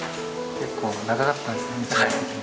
結構長かったんですね道のり。